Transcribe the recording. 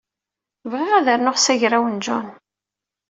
Bɣiɣ ad rnuɣ s agraw n John.